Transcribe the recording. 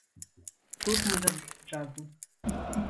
Тут не да джазу.